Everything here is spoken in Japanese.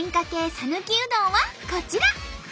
さぬきうどんはこちら。